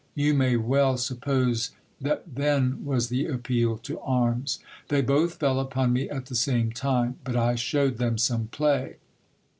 Vou may well suppose that then "was the appeal to arms. They both fell upon me at the same time, but I shewed them some play.